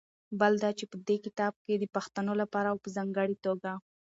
بل دا چې په دې کتاب کې د پښتنو لپاره او په ځانګړې توګه